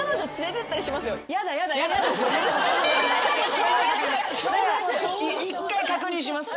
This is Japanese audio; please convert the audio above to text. １回確認します。